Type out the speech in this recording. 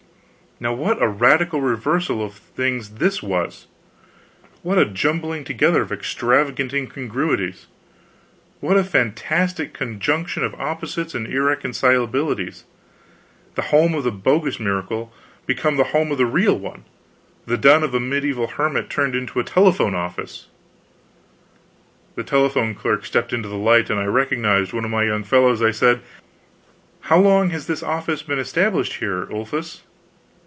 Now what a radical reversal of things this was; what a jumbling together of extravagant incongruities; what a fantastic conjunction of opposites and irreconcilables the home of the bogus miracle become the home of a real one, the den of a mediaeval hermit turned into a telephone office! The telephone clerk stepped into the light, and I recognized one of my young fellows. I said: "How long has this office been established here, Ulfius?"